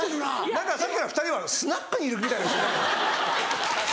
何かさっきから２人はスナックにいるみたいですよね。